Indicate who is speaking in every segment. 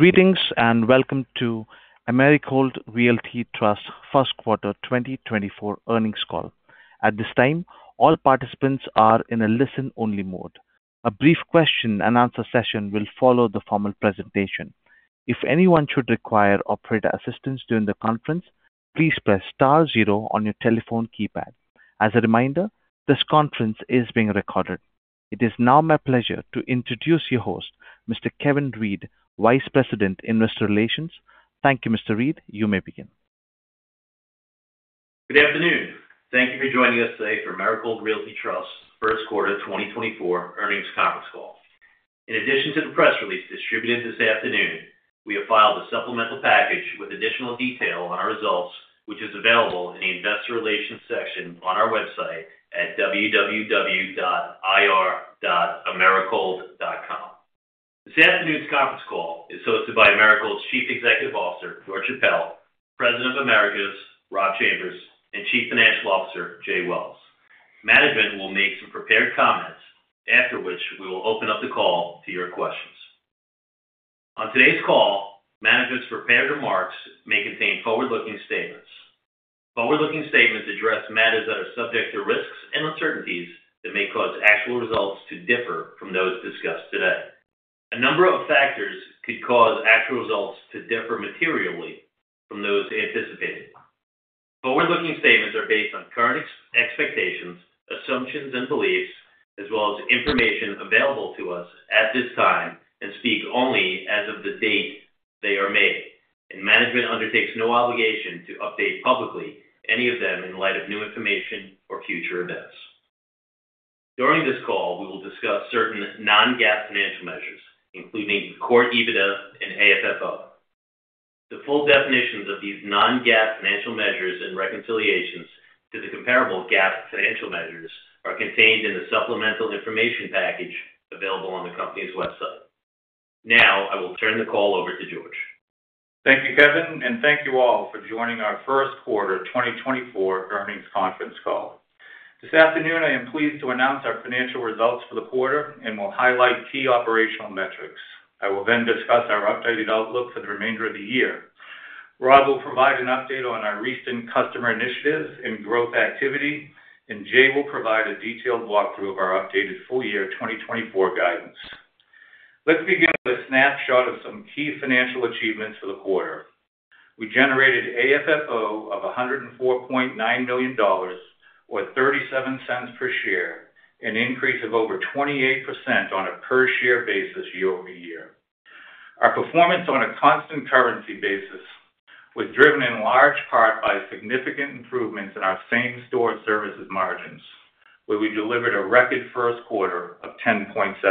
Speaker 1: Greetings and welcome to Americold Realty Trust first quarter 2024 earnings call. At this time, all participants are in a listen-only mode. A brief question-and-answer session will follow the formal presentation. If anyone should require operator assistance during the conference, please press star 0 on your telephone keypad. As a reminder, this conference is being recorded. It is now my pleasure to introduce your host, Mr. Kevin Reed, Vice President, Investor Relations. Thank you, Mr. Reed. You may begin.
Speaker 2: Good afternoon. Thank you for joining us today for Americold Realty Trust's first quarter 2024 earnings conference call. In addition to the press release distributed this afternoon, we have filed a supplemental package with additional detail on our results, which is available in the Investor Relations section on our website at www.ir.americold.com. This afternoon's conference call is hosted by Americold's Chief Executive Officer, George Chappelle, President of Americas, Rob Chambers, and Chief Financial Officer, Jay Wells. Management will make some prepared comments, after which we will open up the call to your questions. On today's call, management's prepared remarks may contain forward-looking statements. Forward-looking statements address matters that are subject to risks and uncertainties that may cause actual results to differ from those discussed today. A number of factors could cause actual results to differ materially from those anticipated. Forward-looking statements are based on current expectations, assumptions, and beliefs, as well as information available to us at this time and speak only as of the date they are made. Management undertakes no obligation to update publicly any of them in light of new information or future events. During this call, we will discuss certain non-GAAP financial measures, including Core EBITDA and AFFO. The full definitions of these non-GAAP financial measures and reconciliations to the comparable GAAP financial measures are contained in the supplemental information package available on the company's website. Now I will turn the call over to George.
Speaker 3: Thank you, Kevin, and thank you all for joining our first quarter 2024 earnings conference call. This afternoon, I am pleased to announce our financial results for the quarter and will highlight key operational metrics. I will then discuss our updated outlook for the remainder of the year. Rob will provide an update on our recent customer initiatives and growth activity, and Jay will provide a detailed walkthrough of our updated full-year 2024 guidance. Let's begin with a snapshot of some key financial achievements for the quarter. We generated AFFO of $104.9 million, or $0.37 per share, an increase of over 28% on a per-share basis year-over-year. Our performance on a constant currency basis was driven in large part by significant improvements in our same-store services margins, where we delivered a record first quarter of 10.7%.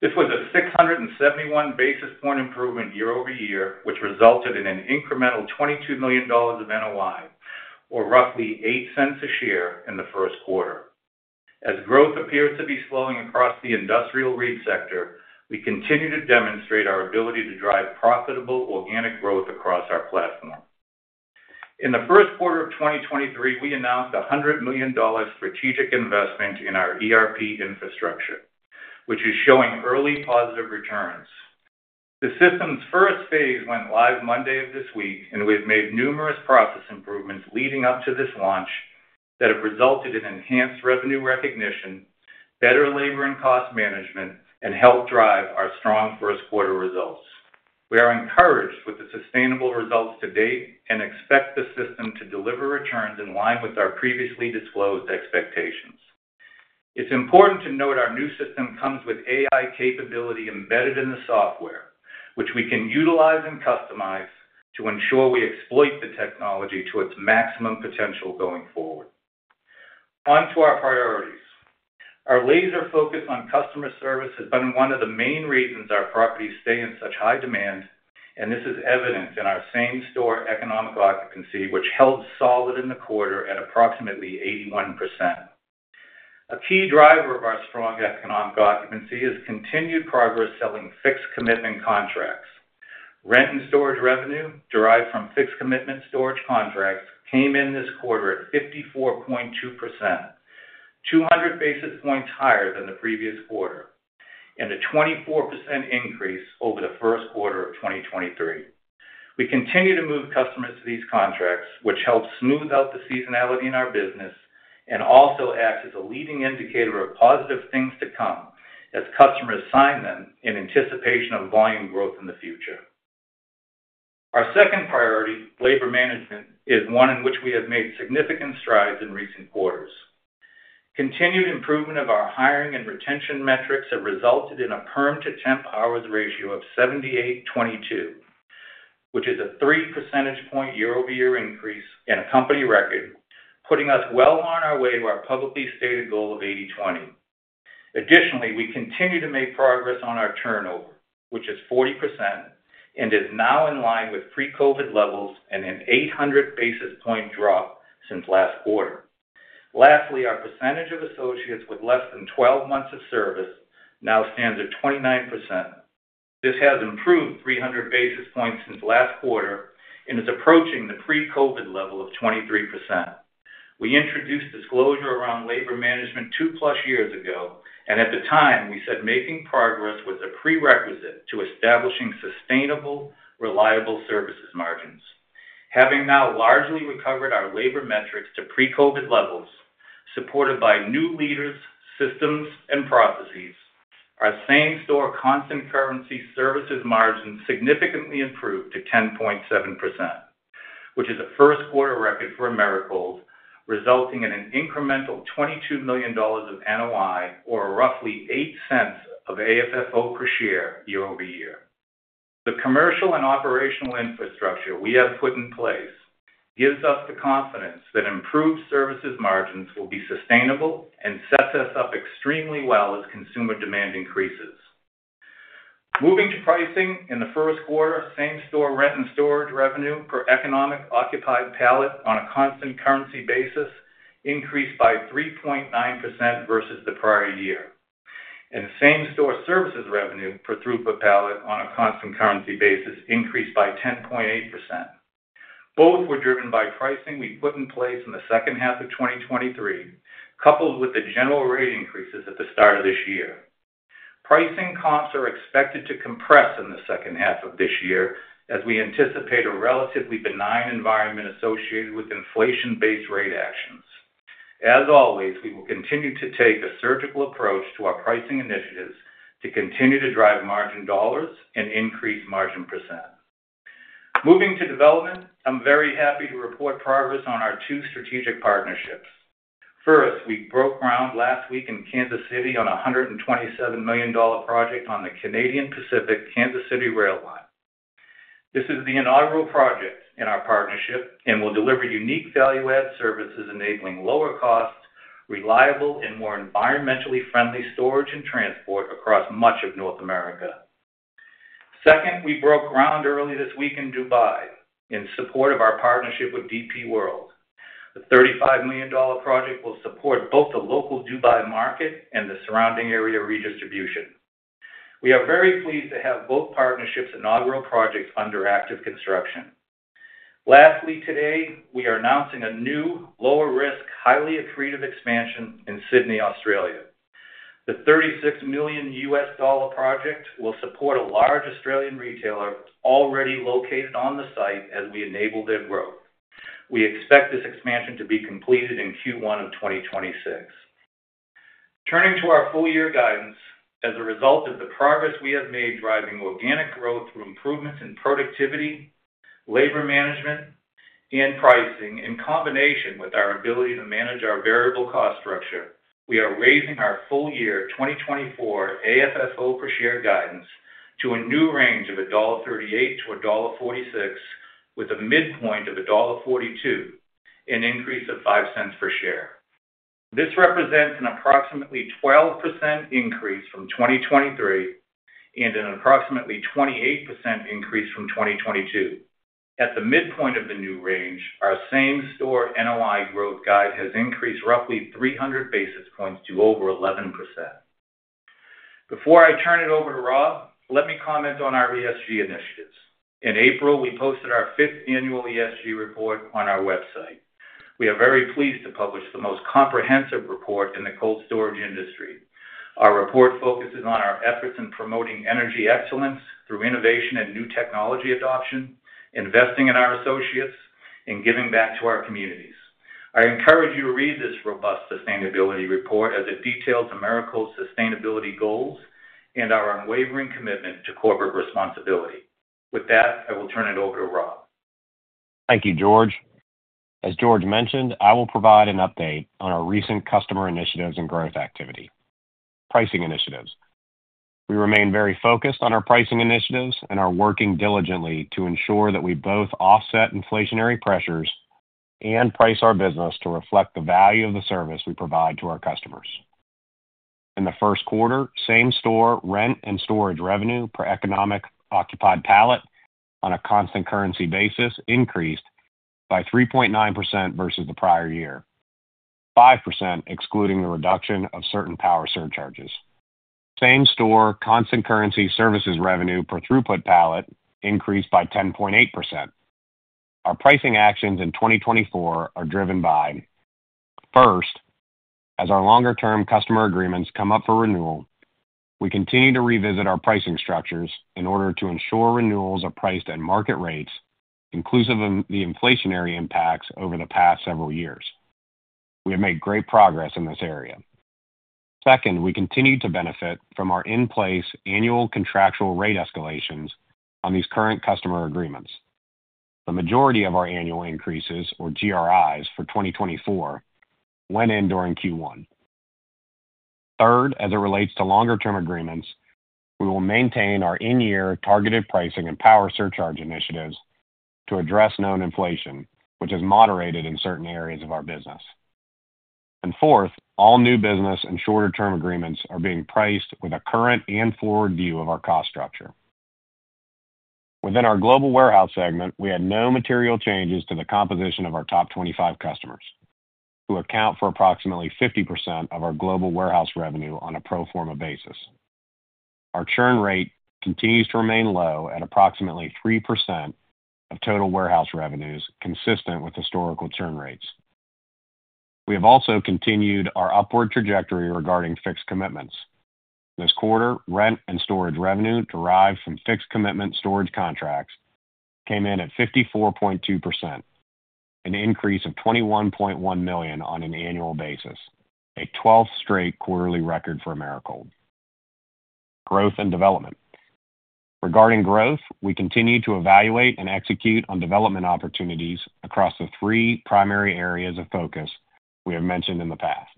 Speaker 3: This was a 671 basis point improvement year over year, which resulted in an incremental $22 million of NOI, or roughly $0.08 a share, in the first quarter. As growth appears to be slowing across the industrial REIT sector, we continue to demonstrate our ability to drive profitable organic growth across our platform. In the first quarter of 2023, we announced a $100 million strategic investment in our ERP infrastructure, which is showing early positive returns. The system's first phase went live Monday of this week, and we have made numerous process improvements leading up to this launch that have resulted in enhanced revenue recognition, better labor and cost management, and helped drive our strong first quarter results. We are encouraged with the sustainable results to date and expect the system to deliver returns in line with our previously disclosed expectations. It's important to note our new system comes with AI capability embedded in the software, which we can utilize and customize to ensure we exploit the technology to its maximum potential going forward. Onto our priorities. Our laser focus on customer service has been one of the main reasons our properties stay in such high demand, and this is evident in our same-store economic occupancy, which held solid in the quarter at approximately 81%. A key driver of our strong economic occupancy is continued progress selling fixed commitment contracts. Rent and storage revenue derived from fixed commitment storage contracts came in this quarter at 54.2%, 200 basis points higher than the previous quarter, and a 24% increase over the first quarter of 2023. We continue to move customers to these contracts, which helps smooth out the seasonality in our business and also acts as a leading indicator of positive things to come as customers sign them in anticipation of volume growth in the future. Our second priority, labor management, is one in which we have made significant strides in recent quarters. Continued improvement of our hiring and retention metrics has resulted in a perm-to-temp hours ratio of 78/22, which is a three percentage point year-over-year increase in a company record, putting us well on our way to our publicly stated goal of 80/20. Additionally, we continue to make progress on our turnover, which is 40% and is now in line with pre-COVID levels and an 800 basis point drop since last quarter. Lastly, our percentage of associates with less than 12 months of service now stands at 29%. This has improved 300 basis points since last quarter and is approaching the pre-COVID level of 23%. We introduced disclosure around labor management 2+ years ago, and at the time, we said making progress was a prerequisite to establishing sustainable, reliable services margins. Having now largely recovered our labor metrics to pre-COVID levels, supported by new leaders, systems, and processes, our same-store constant currency services margins significantly improved to 10.7%, which is a first quarter record for Americold, resulting in an incremental $22 million of NOI, or roughly $0.08 of AFFO per share year-over-year. The commercial and operational infrastructure we have put in place gives us the confidence that improved services margins will be sustainable and sets us up extremely well as consumer demand increases. Moving to pricing in the first quarter, same-store rent and storage revenue per economic occupied pallet on a constant currency basis increased by 3.9% versus the prior year, and same-store services revenue per throughput pallet on a constant currency basis increased by 10.8%. Both were driven by pricing we put in place in the second half of 2023, coupled with the general rate increases at the start of this year. Pricing comps are expected to compress in the second half of this year as we anticipate a relatively benign environment associated with inflation-based rate actions. As always, we will continue to take a surgical approach to our pricing initiatives to continue to drive margin dollars and increase margin percent. Moving to development, I'm very happy to report progress on our two strategic partnerships. First, we broke ground last week in Kansas City on a $127 million project on the Canadian Pacific Kansas City rail line. This is the inaugural project in our partnership and will deliver unique value-add services enabling lower costs, reliable, and more environmentally friendly storage and transport across much of North America. Second, we broke ground early this week in Dubai in support of our partnership with DP World. The $35 million project will support both the local Dubai market and the surrounding area redistribution. We are very pleased to have both partnerships' inaugural projects under active construction. Lastly, today, we are announcing a new, lower-risk, highly accretive expansion in Sydney, Australia. The $36 million project will support a large Australian retailer already located on the site as we enable their growth. We expect this expansion to be completed in Q1 of 2026. Turning to our full-year guidance, as a result of the progress we have made driving organic growth through improvements in productivity, labor management, and pricing, in combination with our ability to manage our variable cost structure, we are raising our full-year 2024 AFFO per share guidance to a new range of $1.38-$1.46, with a midpoint of $1.42 and increase of $0.05 per share. This represents an approximately 12% increase from 2023 and an approximately 28% increase from 2022. At the midpoint of the new range, our same-store NOI growth guide has increased roughly 300 basis points to over 11%. Before I turn it over to Rob, let me comment on our ESG initiatives. In April, we posted our fifth annual ESG report on our website. We are very pleased to publish the most comprehensive report in the cold storage industry. Our report focuses on our efforts in promoting energy excellence through innovation and new technology adoption, investing in our associates, and giving back to our communities. I encourage you to read this robust sustainability report as it details Americold's sustainability goals and our unwavering commitment to corporate responsibility. With that, I will turn it over to Rob.
Speaker 4: Thank you, George. As George mentioned, I will provide an update on our recent customer initiatives and growth activity: pricing initiatives. We remain very focused on our pricing initiatives and are working diligently to ensure that we both offset inflationary pressures and price our business to reflect the value of the service we provide to our customers. In the first quarter, same-store rent and storage revenue per economic occupied pallet on a constant currency basis increased by 3.9% versus the prior year, 5% excluding the reduction of certain power surcharges. Same-store constant currency services revenue per throughput pallet increased by 10.8%. Our pricing actions in 2024 are driven by: first, as our longer-term customer agreements come up for renewal, we continue to revisit our pricing structures in order to ensure renewals are priced at market rates inclusive of the inflationary impacts over the past several years. We have made great progress in this area. Second, we continue to benefit from our in-place annual contractual rate escalations on these current customer agreements, the majority of our annual increases, or GRIs, for 2024, when and during Q1. Third, as it relates to longer-term agreements, we will maintain our in-year targeted pricing and power surcharge initiatives to address known inflation, which has moderated in certain areas of our business. And fourth, all new business and shorter-term agreements are being priced with a current and forward view of our cost structure. Within our global warehouse segment, we had no material changes to the composition of our top 25 customers, who account for approximately 50% of our global warehouse revenue on a pro forma basis. Our churn rate continues to remain low at approximately 3% of total warehouse revenues consistent with historical churn rates. We have also continued our upward trajectory regarding fixed commitments. This quarter, rent and storage revenue derived from fixed commitment storage contracts came in at 54.2%, an increase of $21.1 million on an annual basis, a 12th straight quarterly record for Americold. Growth and development. Regarding growth, we continue to evaluate and execute on development opportunities across the three primary areas of focus we have mentioned in the past: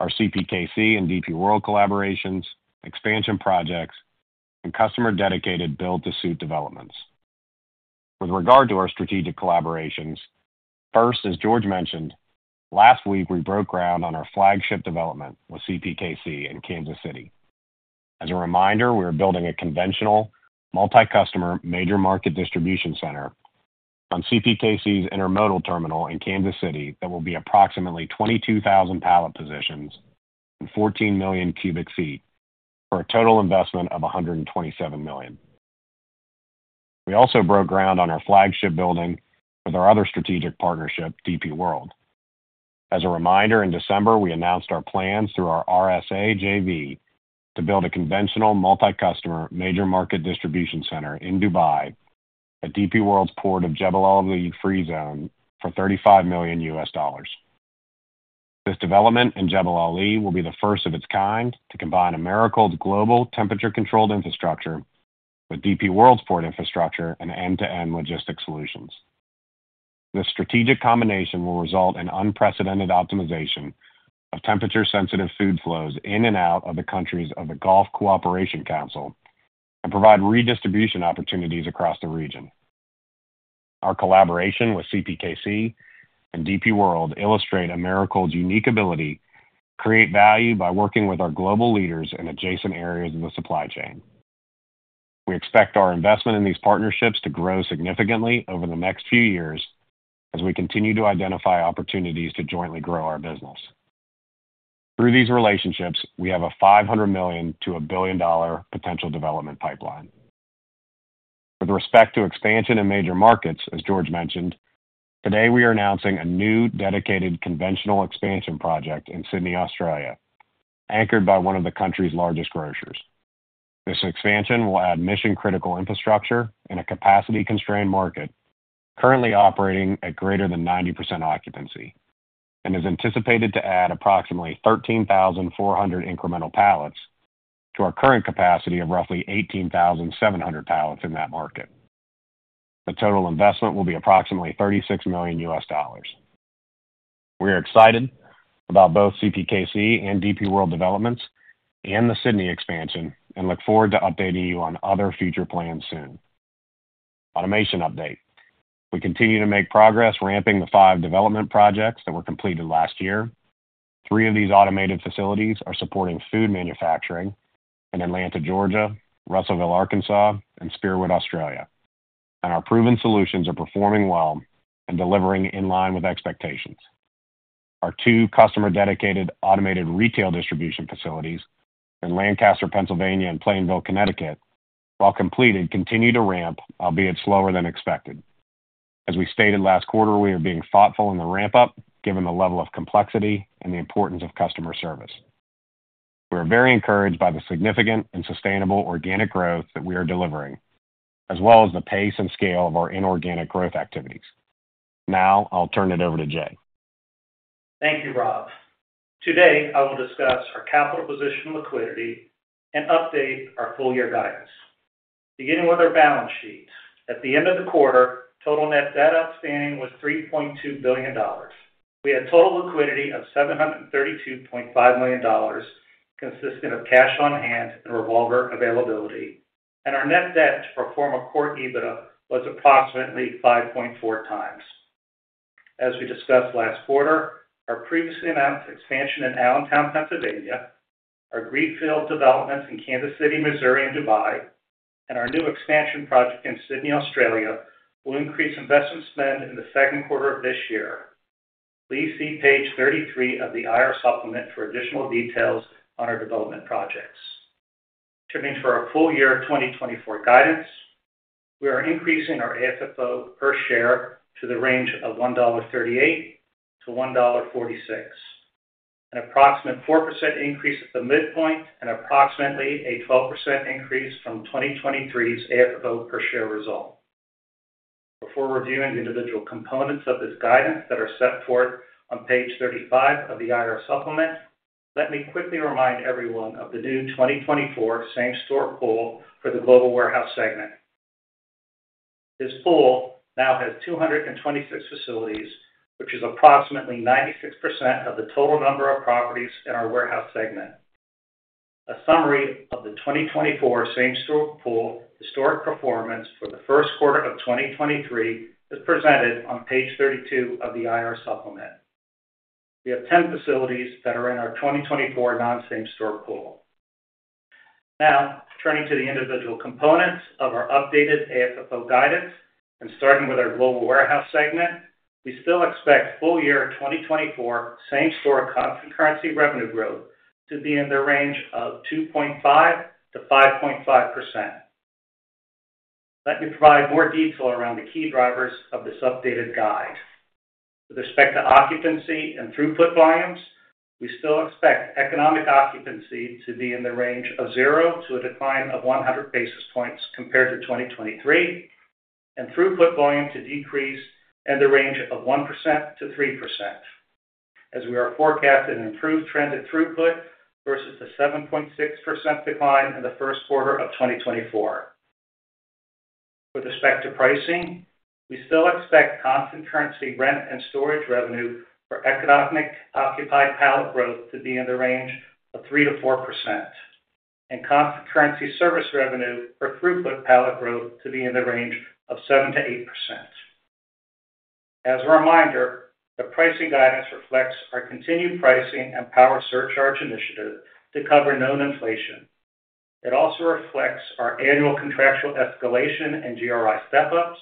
Speaker 4: our CPKC and DP World collaborations, expansion projects, and customer-dedicated build-to-suit developments. With regard to our strategic collaborations, first, as George mentioned, last week we broke ground on our flagship development with CPKC in Kansas City. As a reminder, we are building a conventional, multi-customer major market distribution center on CPKC's intermodal terminal in Kansas City that will be approximately 22,000 pallet positions and 14 million cubic feet for a total investment of $127 million. We also broke ground on our flagship building with our other strategic partnership, DP World. As a reminder, in December we announced our plans through our RSA JV to build a conventional, multi-customer major market distribution center in Dubai at DP World's port of Jebel Ali free zone for $35 million. This development in Jebel Ali will be the first of its kind to combine Americold's global temperature-controlled infrastructure with DP World's port infrastructure and end-to-end logistics solutions. This strategic combination will result in unprecedented optimization of temperature-sensitive food flows in and out of the countries of the Gulf Cooperation Council and provide redistribution opportunities across the region. Our collaboration with CPKC and DP World illustrates Americold's unique ability to create value by working with our global leaders in adjacent areas of the supply chain. We expect our investment in these partnerships to grow significantly over the next few years as we continue to identify opportunities to jointly grow our business. Through these relationships, we have a $500 million-$1 billion potential development pipeline. With respect to expansion in major markets, as George mentioned, today we are announcing a new dedicated conventional expansion project in Sydney, Australia, anchored by one of the country's largest groceries. This expansion will add mission-critical infrastructure in a capacity-constrained market currently operating at greater than 90% occupancy and is anticipated to add approximately 13,400 incremental pallets to our current capacity of roughly 18,700 pallets in that market. The total investment will be approximately $36 million. We are excited about both CPKC and DP World developments and the Sydney expansion and look forward to updating you on other future plans soon. Automation update. We continue to make progress ramping the five development projects that were completed last year. Three of these automated facilities are supporting food manufacturing in Atlanta, Georgia, Russellville, Arkansas, and Spearwood, Australia, and our proven solutions are performing well and delivering in line with expectations. Our two customer-dedicated automated retail distribution facilities in Lancaster, Pennsylvania, and Plainville, Connecticut, while completed, continue to ramp, albeit slower than expected. As we stated last quarter, we are being thoughtful in the ramp-up given the level of complexity and the importance of customer service. We are very encouraged by the significant and sustainable organic growth that we are delivering, as well as the pace and scale of our inorganic growth activities. Now I'll turn it over to Jay.
Speaker 5: Thank you, Rob. Today I will discuss our capital position, liquidity, and update our full-year guidance. Beginning with our balance sheet, at the end of the quarter, total net debt outstanding was $3.2 billion. We had total liquidity of $732.5 million consisting of cash on hand and revolver availability, and our net debt to pro forma adjusted EBITDA was approximately 5.4x. As we discussed last quarter, our previously announced expansion in Allentown, Pennsylvania, our greenfield developments in Kansas City, Missouri, and Dubai, and our new expansion project in Sydney, Australia will increase investment spend in the second quarter of this year. Please see page 33 of the IR supplement for additional details on our development projects. Turning to our full-year 2024 guidance, we are increasing our AFFO per share to the range of $1.38-$1.46, an approximate 4% increase at the midpoint, and approximately a 12% increase from 2023's AFFO per share result. Before reviewing the individual components of this guidance that are set forth on page 35 of the IR supplement, let me quickly remind everyone of the new 2024 same-store pool for the global warehouse segment. This pool now has 226 facilities, which is approximately 96% of the total number of properties in our warehouse segment. A summary of the 2024 same-store pool historic performance for the first quarter of 2023 is presented on page 32 of the IR supplement. We have 10 facilities that are in our 2024 non-same-store pool. Now, turning to the individual components of our updated AFFO guidance and starting with our global warehouse segment, we still expect full-year 2024 same-store constant currency revenue growth to be in the range of 2.5%-5.5%. Let me provide more detail around the key drivers of this updated guide. With respect to occupancy and throughput volumes, we still expect economic occupancy to be in the range of 0 to a decline of 100 basis points compared to 2023, and throughput volume to decrease in the range of 1%-3% as we are forecasting an improved transit throughput versus the 7.6% decline in the first quarter of 2024. With respect to pricing, we still expect constant currency rent and storage revenue for economic occupancy pallet growth to be in the range of 3%-4%, and constant currency service revenue for throughput pallet growth to be in the range of 7%-8%. As a reminder, the pricing guidance reflects our continued pricing and power surcharge initiative to cover known inflation. It also reflects our annual contractual escalation and GRI step-ups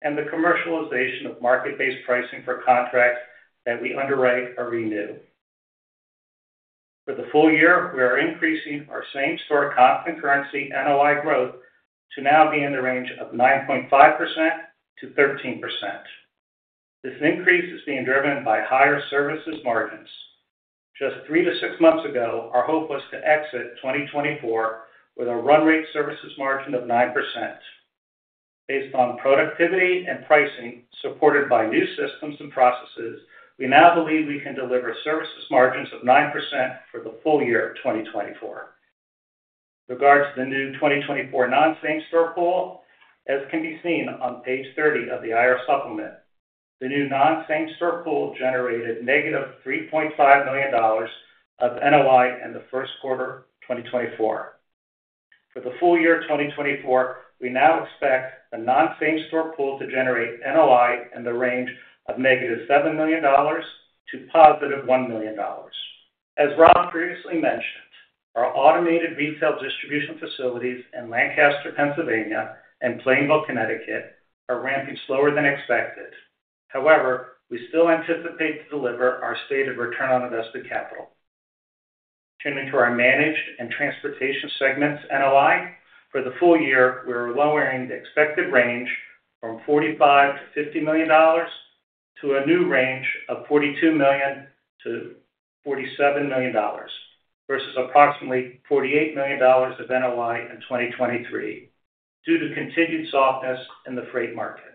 Speaker 5: and the commercialization of market-based pricing for contracts that we underwrite or renew. For the full year, we are increasing our same-store constant currency NOI growth to now be in the range of 9.5%-13%. This increase is being driven by higher services margins. Just 3-6 months ago, our hope was to exit 2024 with a run-rate services margin of 9%. Based on productivity and pricing supported by new systems and processes, we now believe we can deliver services margins of 9% for the full year of 2024. With regard to the new 2024 non-same-store pool, as can be seen on page 30 of the IR supplement, the new non-same-store pool generated -$3.5 million of NOI in the first quarter of 2024. For the full year of 2024, we now expect the non-same-store pool to generate NOI in the range of -$7 million to +$1 million. As Rob previously mentioned, our automated retail distribution facilities in Lancaster, Pennsylvania, and Plainville, Connecticut are ramping slower than expected. However, we still anticipate to deliver our stated return on invested capital. Turning to our managed and transportation segments NOI, for the full year we are lowering the expected range from $45-$50 million to a new range of $42-$47 million versus approximately $48 million of NOI in 2023 due to continued softness in the freight market.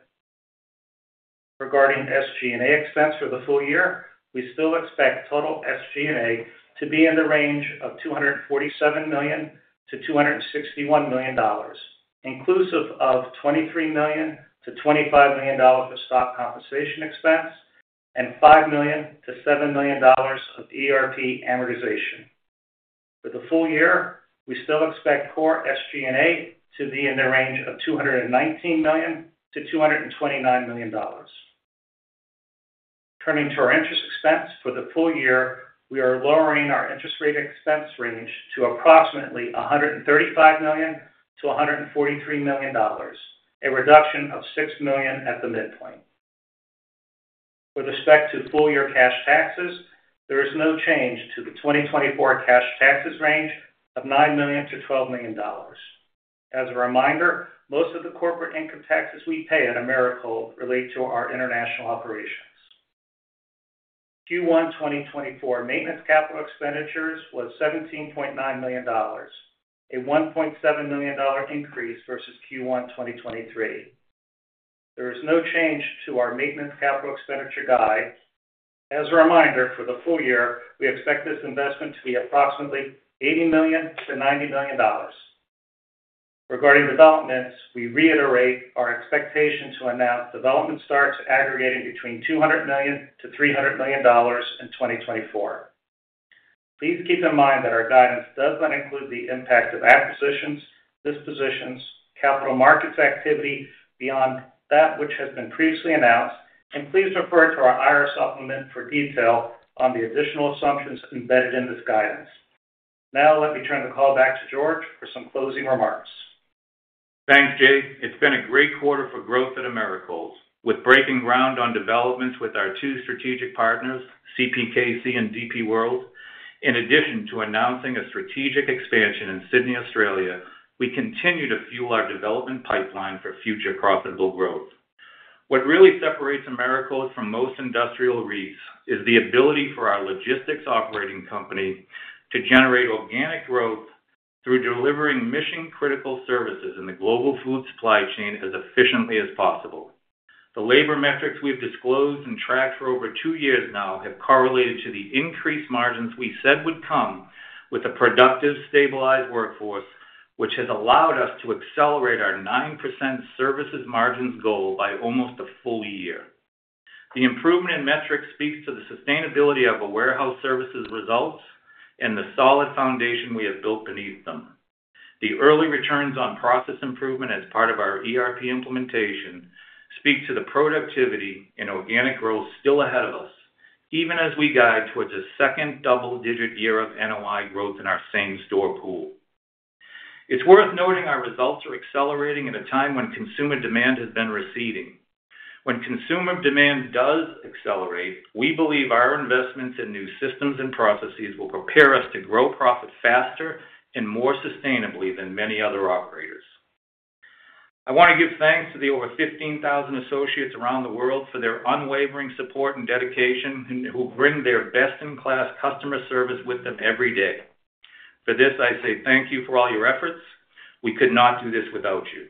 Speaker 5: Regarding SG&A expense for the full year, we still expect total SG&A to be in the range of $247-$261 million inclusive of $23-$25 million for stock compensation expense and $5-$7 million of ERP amortization. For the full year, we still expect core SG&A to be in the range of $219-$229 million. Turning to our interest expense for the full year, we are lowering our interest rate expense range to approximately $135-$143 million, a reduction of $6 million at the midpoint. With respect to full-year cash taxes, there is no change to the 2024 cash taxes range of $9 million-$12 million. As a reminder, most of the corporate income taxes we pay at Americold relate to our international operations. Q1 2024 maintenance capital expenditures was $17.9 million, a $1.7 million increase versus Q1 2023. There is no change to our maintenance capital expenditure guide. As a reminder, for the full year we expect this investment to be approximately $80 million-$90 million. Regarding developments, we reiterate our expectation to announce development starts aggregating between $200 million-$300 million in 2024. Please keep in mind that our guidance does not include the impact of acquisitions, dispositions, capital markets activity beyond that which has been previously announced, and please refer to our IR supplement for detail on the additional assumptions embedded in this guidance. Now let me turn the call back to George for some closing remarks.
Speaker 3: Thanks, Jay. It's been a great quarter for growth at Americold. With breaking ground on developments with our two strategic partners, CPKC and DP World, in addition to announcing a strategic expansion in Sydney, Australia, we continue to fuel our development pipeline for future profitable growth. What really separates Americold from most industrial REITs is the ability for our logistics operating company to generate organic growth through delivering mission-critical services in the global food supply chain as efficiently as possible. The labor metrics we've disclosed and tracked for over two years now have correlated to the increased margins we said would come with a productive, stabilized workforce, which has allowed us to accelerate our 9% services margins goal by almost a full year. The improvement in metrics speaks to the sustainability of our warehouse services results and the solid foundation we have built beneath them. The early returns on process improvement as part of our ERP implementation speak to the productivity and organic growth still ahead of us, even as we guide towards a second double-digit year of NOI growth in our same-store pool. It's worth noting our results are accelerating at a time when consumer demand has been receding. When consumer demand does accelerate, we believe our investments in new systems and processes will prepare us to grow profit faster and more sustainably than many other operators. I want to give thanks to the over 15,000 associates around the world for their unwavering support and dedication, who bring their best-in-class customer service with them every day. For this, I say thank you for all your efforts. We could not do this without you.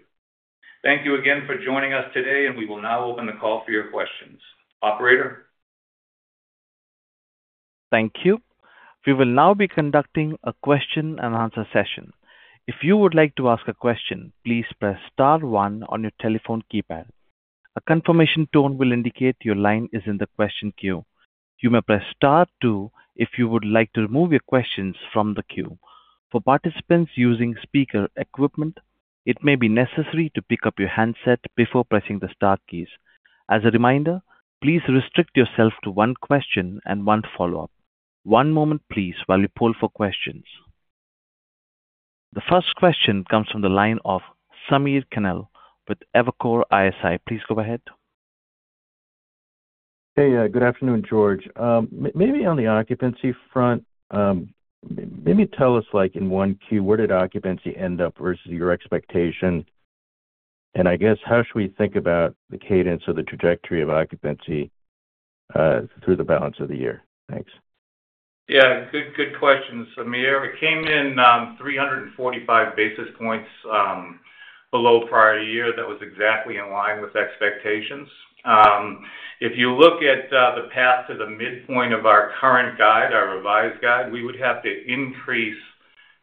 Speaker 3: Thank you again for joining us today, and we will now open the call for your questions. Operator?
Speaker 1: Thank you. We will now be conducting a question-and-answer session. If you would like to ask a question, please press star 1 on your telephone keypad. A confirmation tone will indicate your line is in the question queue. You may press star 2 if you would like to remove your questions from the queue. For participants using speaker equipment, it may be necessary to pick up your handset before pressing the star keys. As a reminder, please restrict yourself to one question and one follow-up. One moment, please, while we pull for questions. The first question comes from the line of Sameer Kannel with Evercore ISI. Please go ahead.
Speaker 6: Hey, good afternoon, George. Maybe on the occupancy front, maybe tell us, in one queue, where did occupancy end up versus your expectation, and I guess how should we think about the cadence or the trajectory of occupancy through the balance of the year? Thanks.
Speaker 3: Yeah, good question, Sameer. It came in 345 basis points below prior year. That was exactly in line with expectations. If you look at the path to the midpoint of our current guide, our revised guide, we would have to increase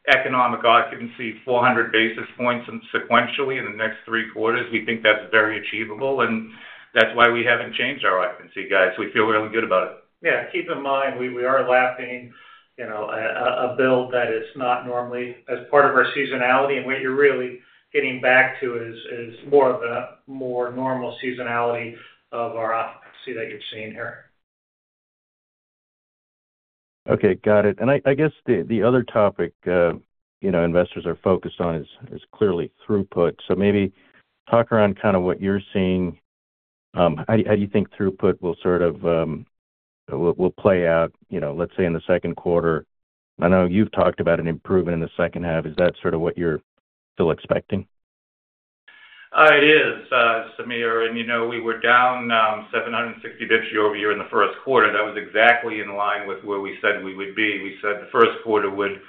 Speaker 3: economic occupancy 400 basis points sequentially in the next three quarters. We think that's very achievable, and that's why we haven't changed our occupancy guide. So we feel really good about it.
Speaker 5: Yeah, keep in mind we are adopting a build that is not normally as part of our seasonality, and what you're really getting back to is more of a more normal seasonality of our occupancy that you're seeing here.
Speaker 6: Okay, got it. And I guess the other topic investors are focused on is clearly throughput. So maybe talk around kind of what you're seeing. How do you think throughput will sort of play out, let's say, in the second quarter? I know you've talked about an improvement in the second half. Is that sort of what you're still expecting?
Speaker 3: It is, Sameer. We were down 760 basis points year-over-year in the first quarter. That was exactly in line with where we said we would be. We said the first quarter would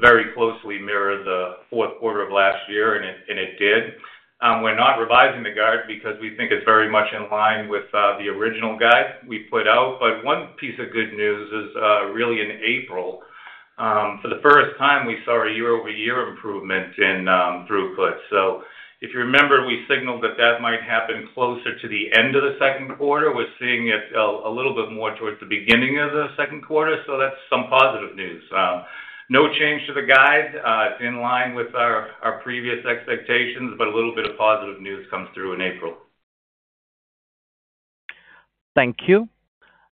Speaker 3: very closely mirror the fourth quarter of last year, and it did. We're not revising the guide because we think it's very much in line with the original guide we put out. One piece of good news is really in April, for the first time, we saw a year-over-year improvement in throughput. If you remember, we signaled that that might happen closer to the end of the second quarter. We're seeing it a little bit more towards the beginning of the second quarter, so that's some positive news. No change to the guide. It's in line with our previous expectations, but a little bit of positive news comes through in April.
Speaker 1: Thank you.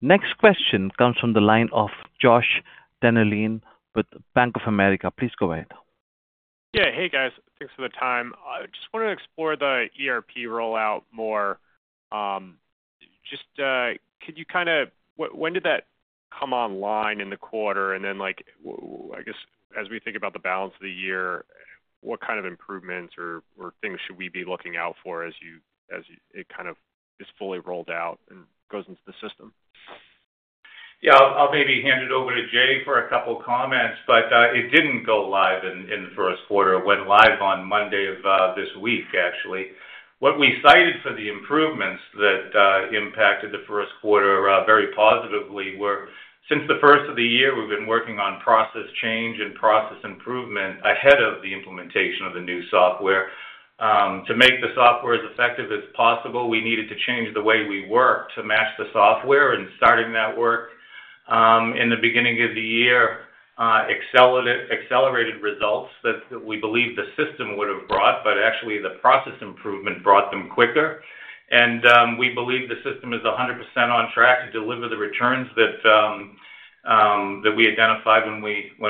Speaker 1: Next question comes from the line of Josh Denolene with Bank of America. Please go ahead.
Speaker 7: Yeah, hey, guys. Thanks for the time. I just want to explore the ERP rollout more. Just, could you kind of when did that come online in the quarter? And then, I guess, as we think about the balance of the year, what kind of improvements or things should we be looking out for as it kind of is fully rolled out and goes into the system?
Speaker 3: Yeah, I'll maybe hand it over to Jay for a couple of comments. But it didn't go live in the first quarter. It went live on Monday of this week, actually. What we cited for the improvements that impacted the first quarter very positively were, since the first of the year, we've been working on process change and process improvement ahead of the implementation of the new software. To make the software as effective as possible, we needed to change the way we work to match the software. And starting that work in the beginning of the year, accelerated results that we believed the system would have brought, but actually, the process improvement brought them quicker. And we believe the system is 100% on track to deliver the returns that we identified when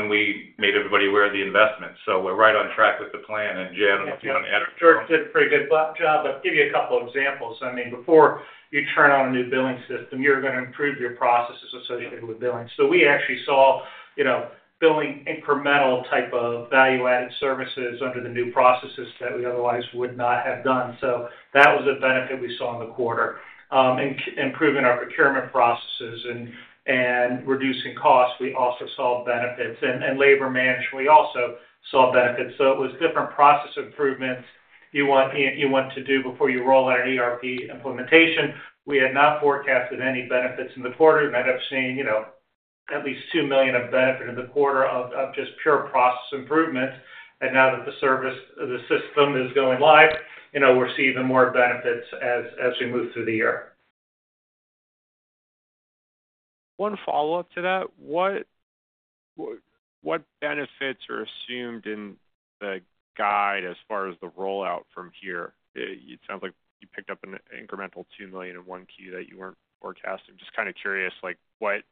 Speaker 3: we made everybody aware of the investment. So we're right on track with the plan. Jay, I don't know if you want to add to that.
Speaker 5: Yeah, George did a pretty good job. But I'll give you a couple of examples. I mean, before you turn on a new billing system, you're going to improve your processes associated with billing. So we actually saw billing incremental type of value-added services under the new processes that we otherwise would not have done. So that was a benefit we saw in the quarter. Improving our procurement processes and reducing costs, we also saw benefits. And labor management, we also saw benefits. So it was different process improvements you want to do before you roll out an ERP implementation. We had not forecasted any benefits in the quarter, and I'd have seen at least $2 million of benefit in the quarter of just pure process improvements. And now that the system is going live, we're seeing even more benefits as we move through the year.
Speaker 8: One follow-up to that. What benefits are assumed in the guide as far as the rollout from here? It sounds like you picked up an incremental $2 million in Q1 that you weren't forecasting. Just kind of curious what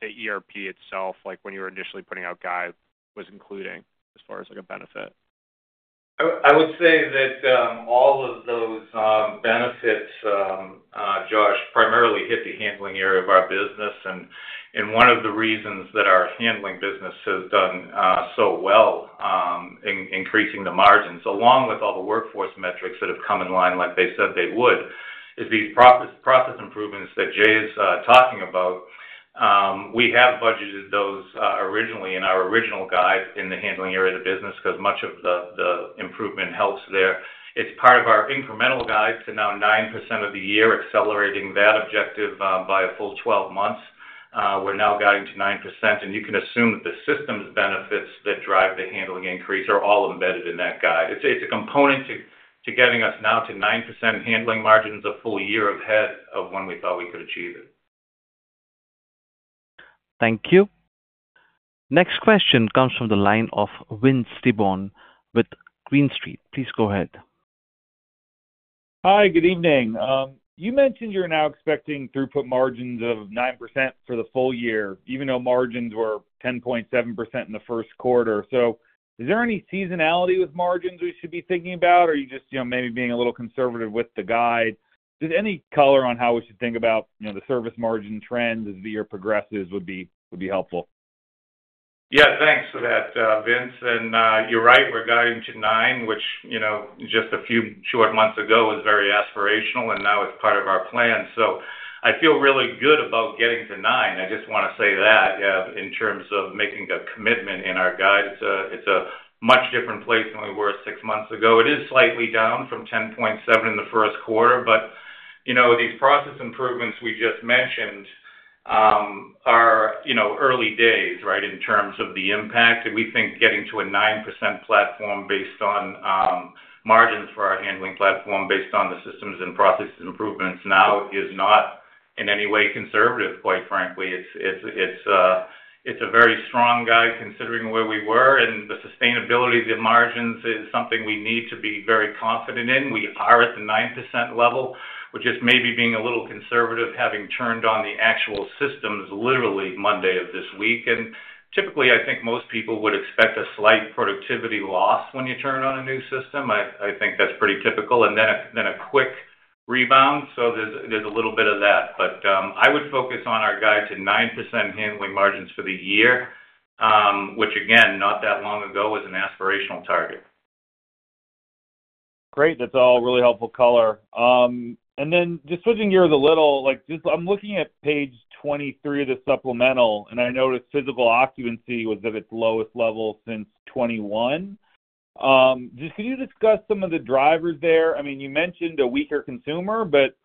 Speaker 8: the ERP itself, when you were initially putting out guide, was including as far as a benefit.
Speaker 3: I would say that all of those benefits, Josh, primarily hit the handling area of our business. And one of the reasons that our handling business has done so well in increasing the margins, along with all the workforce metrics that have come in line like they said they would, is these process improvements that Jay is talking about. We have budgeted those originally in our original guide in the handling area of the business because much of the improvement helps there. It's part of our incremental guide to now 9% of the year, accelerating that objective by a full 12 months. We're now guiding to 9%. And you can assume that the systems benefits that drive the handling increase are all embedded in that guide. It's a component to getting us now to 9% handling margins a full year ahead of when we thought we could achieve it.
Speaker 1: Thank you. Next question comes from the line of Wyn Stebon with Green Street. Please go ahead.
Speaker 9: Hi, good evening. You mentioned you're now expecting throughput margins of 9% for the full year, even though margins were 10.7% in the first quarter. So is there any seasonality with margins we should be thinking about, or are you just maybe being a little conservative with the guide? Just any color on how we should think about the service margin trend as the year progresses would be helpful.
Speaker 3: Yeah, thanks for that, Vince. You're right. We're guiding to 9%, which just a few short months ago was very aspirational, and now it's part of our plan. I feel really good about getting to 9%. I just want to say that in terms of making a commitment in our guide. It's a much different place than we were six months ago. It is slightly down from 10.7% in the first quarter. But these process improvements we just mentioned are early days, right, in terms of the impact. We think getting to a 9% platform based on margins for our handling platform based on the systems and process improvements now is not in any way conservative, quite frankly. It's a very strong guide considering where we were, and the sustainability of the margins is something we need to be very confident in. We are at the 9% level. We're just maybe being a little conservative, having turned on the actual systems literally Monday of this week. Typically, I think most people would expect a slight productivity loss when you turn on a new system. I think that's pretty typical. Then a quick rebound. There's a little bit of that. I would focus on our guide to 9% handling margins for the year, which, again, not that long ago was an aspirational target.
Speaker 9: Great. That's all really helpful color. And then just switching gears a little, I'm looking at page 23 of the supplemental, and I noticed physical occupancy was at its lowest level since 2021. Just could you discuss some of the drivers there? I mean, you mentioned a weaker consumer, but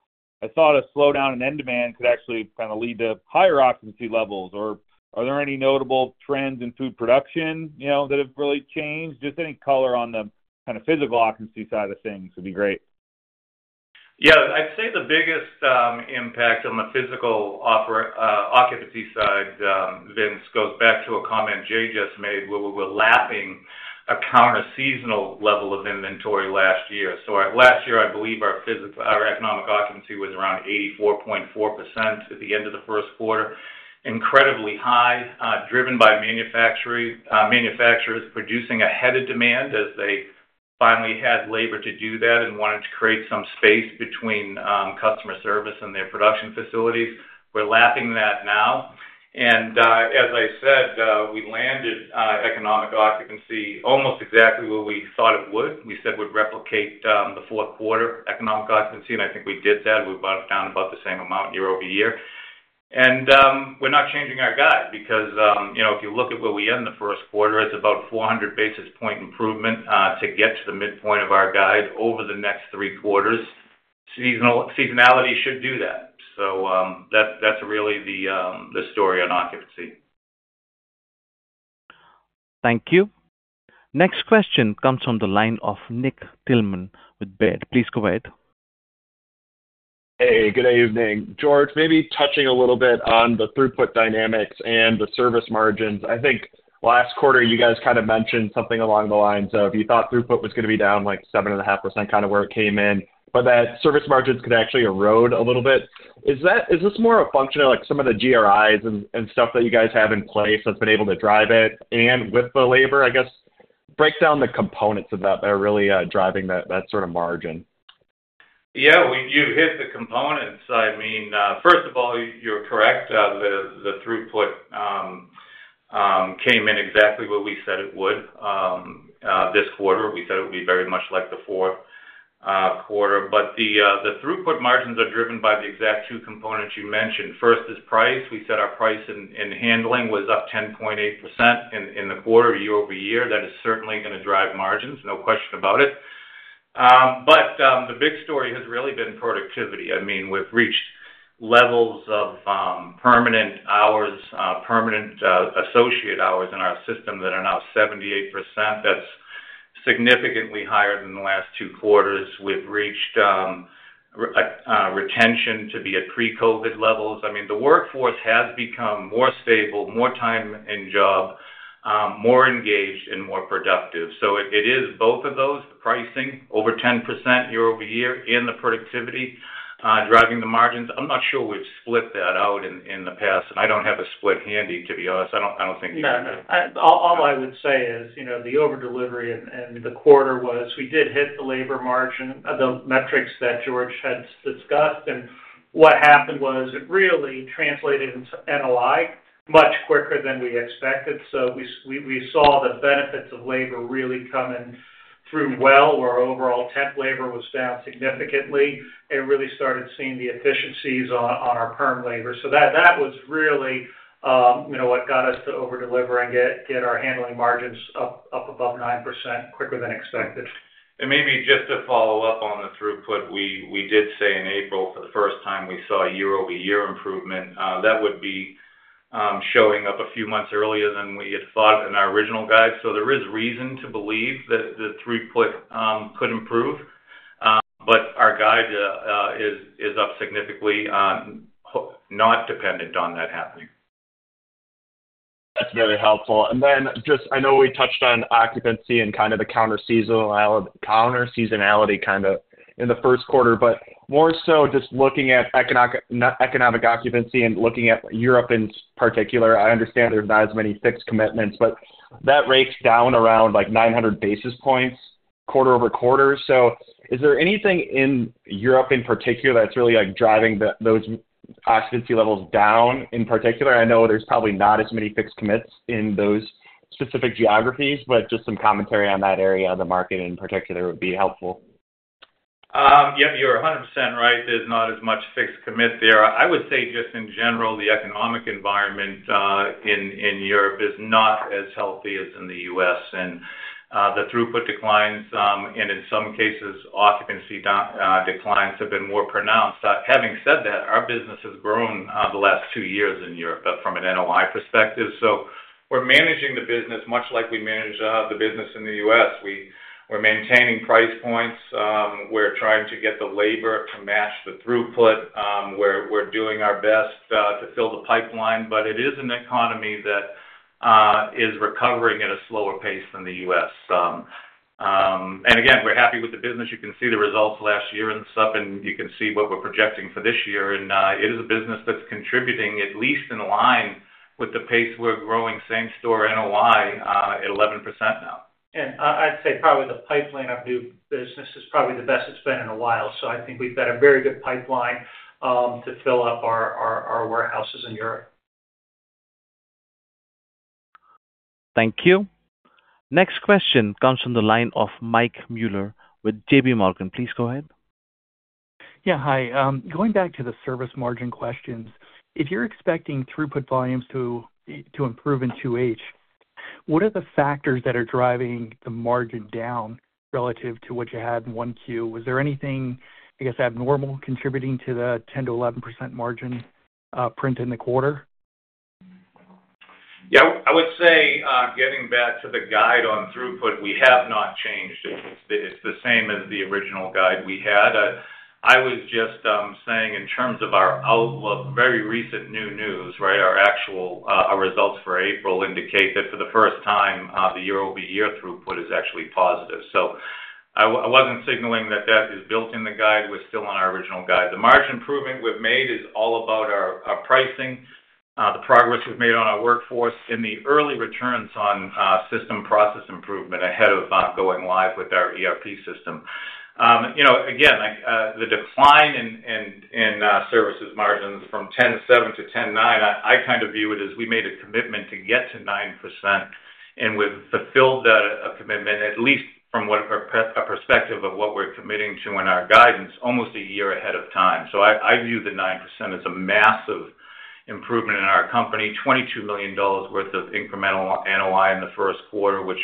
Speaker 9: I saw a slowdown in end demand could actually kind of lead to higher occupancy levels. Or are there any notable trends in food production that have really changed? Just any color on the kind of physical occupancy side of things would be great.
Speaker 3: Yeah, I'd say the biggest impact on the physical occupancy side, Vince, goes back to a comment Jay just made where we were lapping a counter-seasonal level of inventory last year. So last year, I believe our economic occupancy was around 84.4% at the end of the first quarter, incredibly high, driven by manufacturers producing ahead of demand as they finally had labor to do that and wanted to create some space between customer service and their production facilities. We're lapping that now. And as I said, we landed economic occupancy almost exactly where we thought it would. We said we'd replicate the fourth quarter economic occupancy, and I think we did that. We brought it down about the same amount year-over-year. We're not changing our guide because if you look at where we end the first quarter, it's about 400 basis point improvement to get to the midpoint of our guide over the next three quarters. Seasonality should do that. That's really the story on occupancy.
Speaker 1: Thank you. Next question comes from the line of Nick Thillman with BED. Please go ahead.
Speaker 10: Hey, good evening. George, maybe touching a little bit on the throughput dynamics and the service margins. I think last quarter, you guys kind of mentioned something along the lines of you thought throughput was going to be down like 7.5%, kind of where it came in, but that service margins could actually erode a little bit. Is this more a function of some of the GRIs and stuff that you guys have in place that's been able to drive it? And with the labor, I guess, break down the components of that that are really driving that sort of margin.
Speaker 3: Yeah, you've hit the components. I mean, first of all, you're correct. The throughput came in exactly where we said it would this quarter. We said it would be very much like the fourth quarter. But the throughput margins are driven by the exact two components you mentioned. First is price. We said our price in handling was up 10.8% in the quarter year-over-year. That is certainly going to drive margins, no question about it. But the big story has really been productivity. I mean, we've reached levels of permanent hours, permanent associate hours in our system that are now 78%. That's significantly higher than the last two quarters. We've reached retention to be at pre-COVID levels. I mean, the workforce has become more stable, more time in job, more engaged, and more productive. It is both of those, the pricing over 10% year-over-year and the productivity driving the margins. I'm not sure we've split that out in the past, and I don't have a split handy, to be honest. I don't think you've seen that.
Speaker 5: No, no. All I would say is the overdelivery and the quarter was we did hit the labor margin, the metrics that George had discussed. And what happened was it really translated into NOI much quicker than we expected. So we saw the benefits of labor really come in through well where overall temp labor was down significantly. And we really started seeing the efficiencies on our perm labor. So that was really what got us to overdeliver and get our handling margins up above 9% quicker than expected.
Speaker 3: Maybe just to follow up on the throughput, we did say in April for the first time we saw a year-over-year improvement. That would be showing up a few months earlier than we had thought in our original guide. There is reason to believe that the throughput could improve, but our guide is up significantly, not dependent on that happening.
Speaker 10: That's very helpful. And then just I know we touched on occupancy and kind of the counter-seasonality kind of in the first quarter, but more so just looking at economic occupancy and looking at Europe in particular. I understand there's not as many fixed commitments, but that drops down around like 900 basis points quarter-over-quarter. So is there anything in Europe in particular that's really driving those occupancy levels down in particular? I know there's probably not as many fixed commits in those specific geographies, but just some commentary on that area, the market in particular, would be helpful.
Speaker 3: Yep, you're 100% right. There's not as much fixed commitment there. I would say just in general, the economic environment in Europe is not as healthy as in the U.S. And the throughput declines and in some cases, occupancy declines have been more pronounced. Having said that, our business has grown the last two years in Europe from an NOI perspective. So we're managing the business much like we manage the business in the U.S. We're maintaining price points. We're trying to get the labor to match the throughput. We're doing our best to fill the pipeline. But it is an economy that is recovering at a slower pace than the U.S. And again, we're happy with the business. You can see the results last year in the same-store pool, and you can see what we're projecting for this year. It is a business that's contributing at least in line with the pace we're growing, same-store NOI at 11% now.
Speaker 5: I'd say probably the pipeline of new business is probably the best it's been in a while. I think we've got a very good pipeline to fill up our warehouses in Europe.
Speaker 1: Thank you. Next question comes from the line of Mike Mueller with J.P. Morgan. Please go ahead.
Speaker 11: Yeah, hi. Going back to the service margin questions, if you're expecting throughput volumes to improve in 2H, what are the factors that are driving the margin down relative to what you had in 1Q? Was there anything, I guess, abnormal contributing to the 10%-11% margin print in the quarter?
Speaker 3: Yeah, I would say getting back to the guide on throughput, we have not changed. It's the same as the original guide we had. I was just saying in terms of our outlook, very recent new news, right, our results for April indicate that for the first time, the year-over-year throughput is actually positive. So I wasn't signaling that that is built in the guide. We're still on our original guide. The margin improvement we've made is all about our pricing, the progress we've made on our workforce, and the early returns on system process improvement ahead of going live with our ERP system. Again, the decline in services margins from 10.7%-10.9%, I kind of view it as we made a commitment to get to 9% and we've fulfilled that commitment, at least from a perspective of what we're committing to in our guidance, almost a year ahead of time. So I view the 9% as a massive improvement in our company, $22 million worth of incremental NOI in the first quarter, which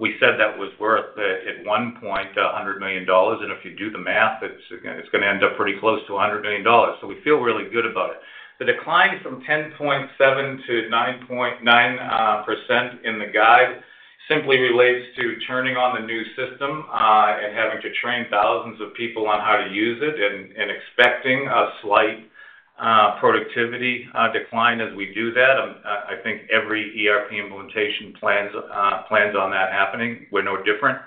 Speaker 3: we said that was worth at one point $100 million. And if you do the math, it's going to end up pretty close to $100 million. So we feel really good about it. The decline from 10.7%-9% in the guide simply relates to turning on the new system and having to train thousands of people on how to use it and expecting a slight productivity decline as we do that. I think every ERP implementation plans on that happening. We're no different.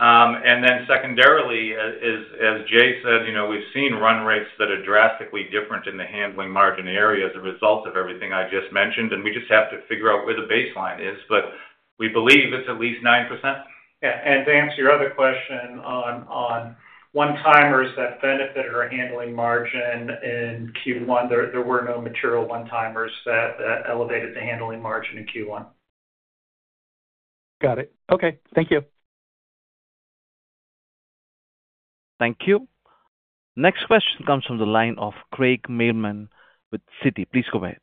Speaker 3: And then secondarily, as Jay said, we've seen run rates that are drastically different in the handling margin area as a result of everything I just mentioned. And we just have to figure out where the baseline is. But we believe it's at least 9%.
Speaker 5: Yeah. And to answer your other question on one-timers that benefited our handling margin in Q1, there were no material one-timers that elevated the handling margin in Q1.
Speaker 11: Got it. Okay. Thank you.
Speaker 1: Thank you. Next question comes from the line of Craig Mailman with Citi. Please go ahead.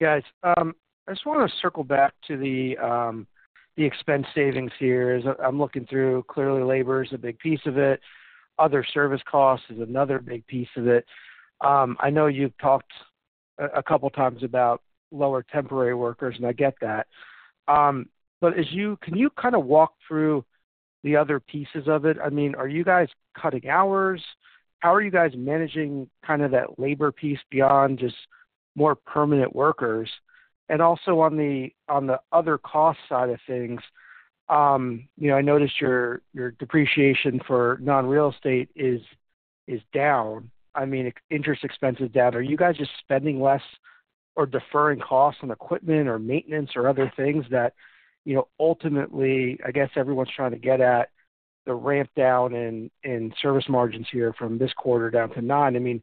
Speaker 12: Guys, I just want to circle back to the expense savings here. I'm looking through. Clearly, labor is a big piece of it. Other service costs is another big piece of it. I know you've talked a couple of times about lower temporary workers, and I get that. But can you kind of walk through the other pieces of it? I mean, are you guys cutting hours? How are you guys managing kind of that labor piece beyond just more permanent workers? And also on the other cost side of things, I noticed your depreciation for non-real estate is down. I mean, interest expense is down. Are you guys just spending less or deferring costs on equipment or maintenance or other things that ultimately, I guess, everyone's trying to get at the ramp down in service margins here from this quarter down to 9%? I mean,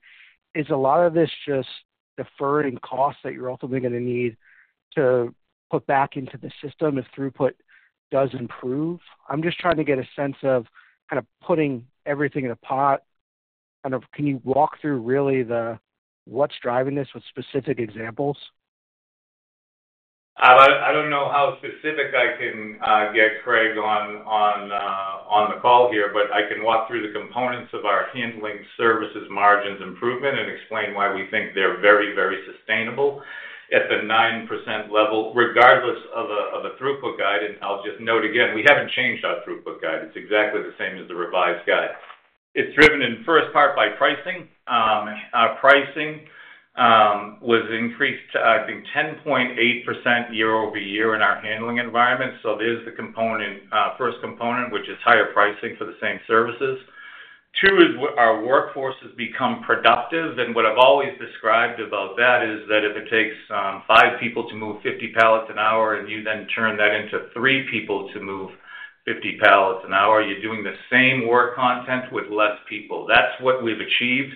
Speaker 12: is a lot of this just deferring costs that you're ultimately going to need to put back into the system if throughput does improve? I'm just trying to get a sense of kind of putting everything in a pot. Kind of can you walk through really what's driving this with specific examples?
Speaker 3: I don't know how specific I can get, Craig, on the call here, but I can walk through the components of our handling services margins improvement and explain why we think they're very, very sustainable at the 9% level regardless of a throughput guide. I'll just note again, we haven't changed our throughput guide. It's exactly the same as the revised guide. It's driven in first part by pricing. Our pricing was increased, I think, 10.8% year-over-year in our handling environment. There's the first component, which is higher pricing for the same services. Two is our workforce has become productive. What I've always described about that is that if it takes five people to move 50 pallets an hour and you then turn that into three people to move 50 pallets an hour, you're doing the same work content with less people. That's what we've achieved.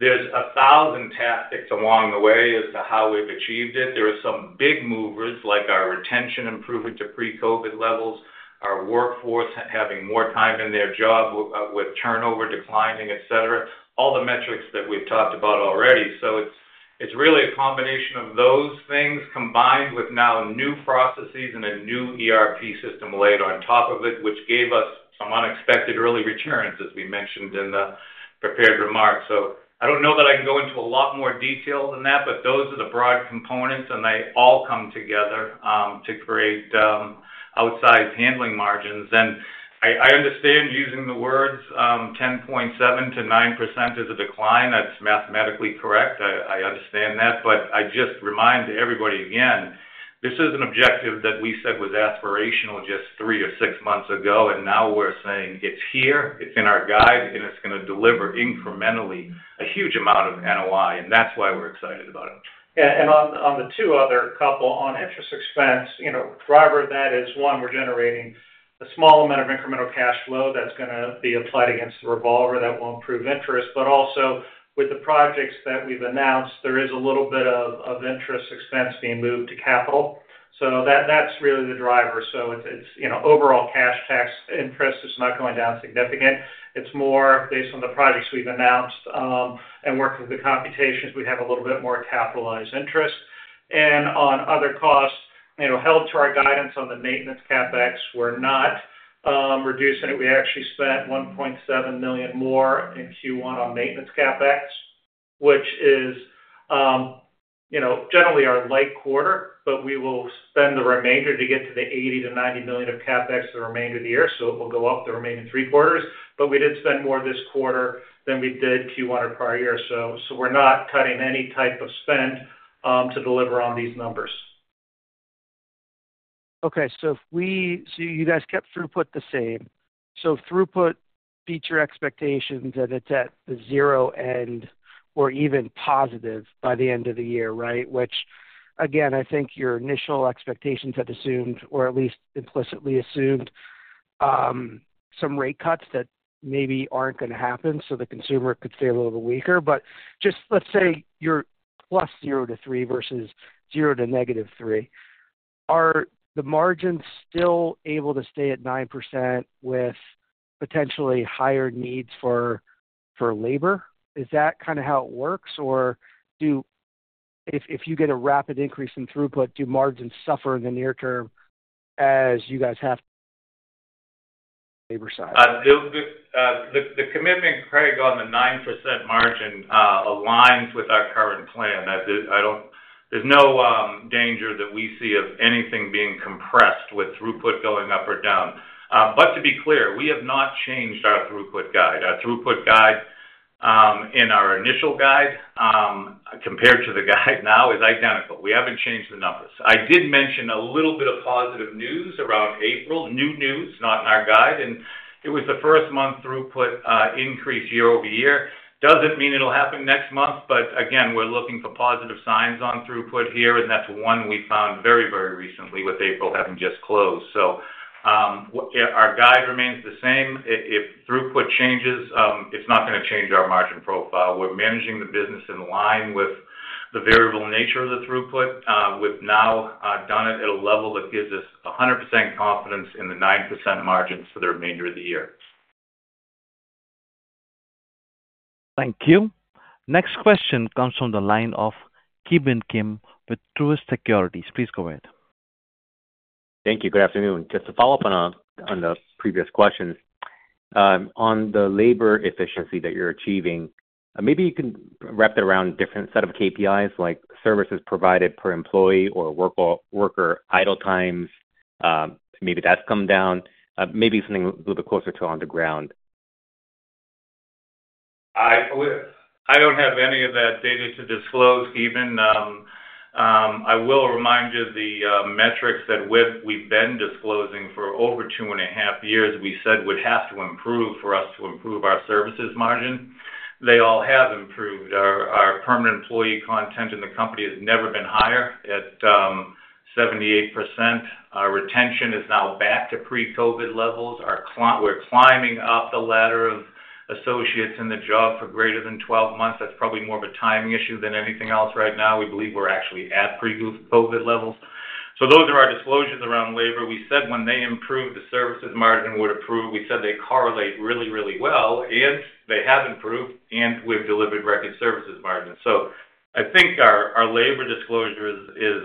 Speaker 3: There's 1,000 tactics along the way as to how we've achieved it. There are some big movers like our retention improvement to pre-COVID levels, our workforce having more time in their job with turnover declining, etc., all the metrics that we've talked about already. So it's really a combination of those things combined with now new processes and a new ERP system laid on top of it, which gave us some unexpected early returns, as we mentioned in the prepared remarks. So I don't know that I can go into a lot more detail than that, but those are the broad components, and they all come together to create outsized handling margins. I understand using the words 10.7%-9% is a decline. That's mathematically correct. I understand that. I just remind everybody again, this is an objective that we said was aspirational just three or six months ago. Now we're saying it's here. It's in our guide, and it's going to deliver incrementally a huge amount of NOI. That's why we're excited about it.
Speaker 5: Yeah. On the two other couple, on interest expense, driver of that is, one, we're generating a small amount of incremental cash flow that's going to be applied against the revolver that won't prove interest. But also with the projects that we've announced, there is a little bit of interest expense being moved to capital. So that's really the driver. So overall cash tax interest is not going down significant. It's more based on the projects we've announced. And working through the computations, we have a little bit more capitalized interest. And on other costs, held to our guidance on the maintenance CapEx, we're not reducing it. We actually spent $1.7 million more in Q1 on maintenance CapEx, which is generally our light quarter. But we will spend the remainder to get to the $80 million-$90 million of CapEx the remainder of the year. It will go up the remaining three quarters. But we did spend more this quarter than we did Q1 or prior year. We're not cutting any type of spend to deliver on these numbers.
Speaker 12: Okay. So you guys kept throughput the same. So throughput beat your expectations, and it's at the zero end or even positive by the end of the year, right, which, again, I think your initial expectations had assumed or at least implicitly assumed some rate cuts that maybe aren't going to happen so the consumer could stay a little bit weaker. But just let's say you're +0 to 3 versus 0 to -3. Are the margins still able to stay at 9% with potentially higher needs for labor? Is that kind of how it works? Or if you get a rapid increase in throughput, do margins suffer in the near term as you guys have to labor side?
Speaker 3: The commitment, Craig, on the 9% margin aligns with our current plan. There's no danger that we see of anything being compressed with throughput going up or down. But to be clear, we have not changed our throughput guide. Our throughput guide in our initial guide compared to the guide now is identical. We haven't changed the numbers. I did mention a little bit of positive news around April, new news, not in our guide. And it was the first month throughput increased year-over-year. Doesn't mean it'll happen next month. But again, we're looking for positive signs on throughput here. And that's one we found very, very recently with April having just closed. So our guide remains the same. If throughput changes, it's not going to change our margin profile. We're managing the business in line with the variable nature of the throughput. We've now done it at a level that gives us 100% confidence in the 9% margins for the remainder of the year.
Speaker 1: Thank you. Next question comes from the line of Kibin Kim with Truist Securities. Please go ahead.
Speaker 13: Thank you. Good afternoon. Just to follow up on the previous questions, on the labor efficiency that you're achieving, maybe you can wrap it around a different set of KPIs like services provided per employee or worker idle times. Maybe that's come down. Maybe something a little bit closer to underground.
Speaker 3: I don't have any of that data to disclose, Kibin. I will remind you the metrics that we've been disclosing for over 2.5 years we said would have to improve for us to improve our services margin; they all have improved. Our permanent employee content in the company has never been higher at 78%. Our retention is now back to pre-COVID levels. We're climbing up the ladder of associates in the job for greater than 12 months. That's probably more of a timing issue than anything else right now. We believe we're actually at pre-COVID levels. So those are our disclosures around labor. We said when they improve, the services margin would improve. We said they correlate really, really well. They have improved, and we've delivered record services margins. I think our labor disclosure is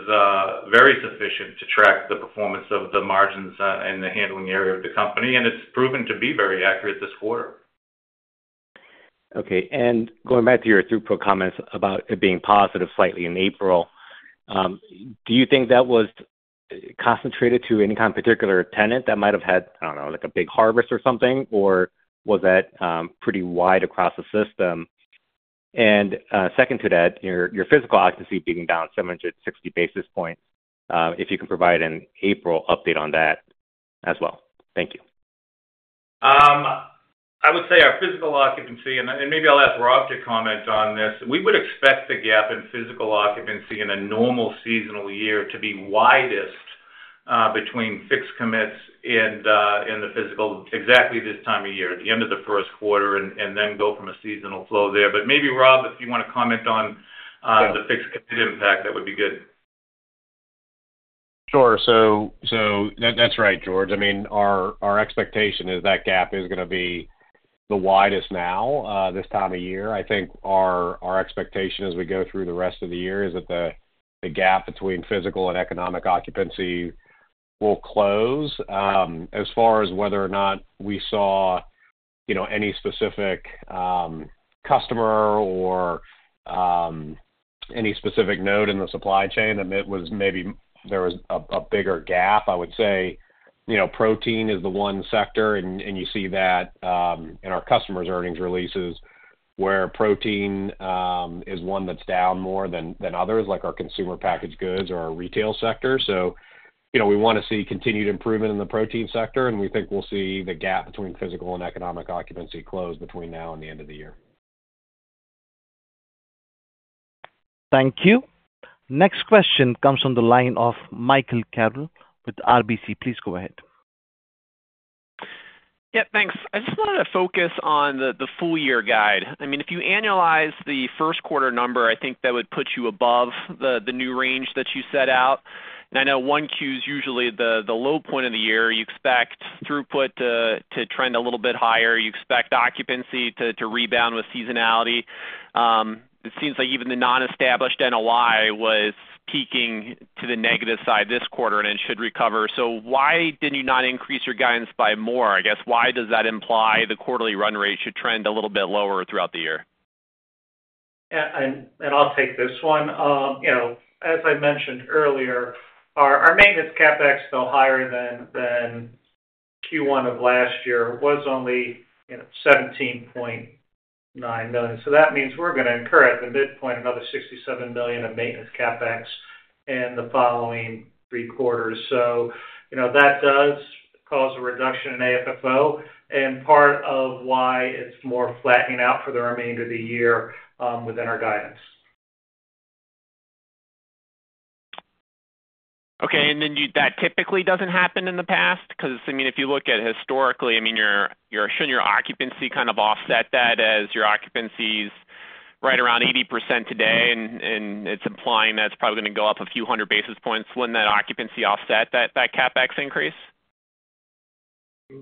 Speaker 3: very sufficient to track the performance of the margins in the handling area of the company. It's proven to be very accurate this quarter.
Speaker 13: Okay. And going back to your throughput comments about it being positive slightly in April, do you think that was concentrated to any kind of particular tenant that might have had, I don't know, like a big harvest or something? Or was that pretty wide across the system? And second to that, your physical occupancy being down 760 basis points, if you can provide an April update on that as well. Thank you.
Speaker 3: I would say our physical occupancy and maybe I'll ask Rob to comment on this. We would expect the gap in physical occupancy in a normal seasonal year to be widest between fixed commits and the physical exactly this time of year, at the end of the first quarter, and then go from a seasonal flow there. But maybe, Rob, if you want to comment on the fixed commit impact, that would be good.
Speaker 4: Sure. So that's right, George. I mean, our expectation is that gap is going to be the widest now this time of year. I think our expectation as we go through the rest of the year is that the gap between physical and economic occupancy will close. As far as whether or not we saw any specific customer or any specific note in the supply chain that was maybe there was a bigger gap, I would say protein is the one sector. And you see that in our customers' earnings releases where protein is one that's down more than others, like our consumer packaged goods or our retail sector. So we want to see continued improvement in the protein sector. And we think we'll see the gap between physical and economic occupancy close between now and the end of the year.
Speaker 1: Thank you. Next question comes from the line of Michael Carroll with RBC. Please go ahead.
Speaker 14: Yep. Thanks. I just wanted to focus on the full-year guide. I mean, if you annualize the first quarter number, I think that would put you above the new range that you set out. I know Q1 is usually the low point of the year. You expect throughput to trend a little bit higher. You expect occupancy to rebound with seasonality. It seems like even the non-same-store NOI was peaking to the negative side this quarter and should recover. So why didn't you not increase your guidance by more? I guess why does that imply the quarterly run rate should trend a little bit lower throughout the year?
Speaker 5: Yeah. I'll take this one. As I mentioned earlier, our maintenance CapEx, though higher than Q1 of last year, was only $17.9 million. So that means we're going to incur at the midpoint another $67 million of maintenance CapEx in the following three quarters. So that does cause a reduction in AFFO and part of why it's more flattening out for the remainder of the year within our guidance.
Speaker 14: Okay. And then that typically doesn't happen in the past? Because I mean, if you look at historically, I mean, you're assuming your occupancy kind of offset that as your occupancy's right around 80% today. And it's implying that's probably going to go up a few hundred basis points. Wouldn't that occupancy offset that CapEx increase?
Speaker 3: This